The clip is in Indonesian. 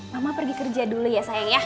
mama pergi kerja dulu ya sayang ya